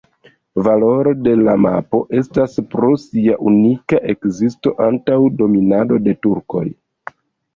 Valoro de la mapo estas pro sia unika ekzisto antaŭ dominado de turkoj.